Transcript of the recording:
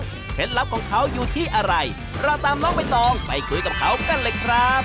เคล็ดลับของเขาอยู่ที่อะไรเราตามน้องใบตองไปคุยกับเขากันเลยครับ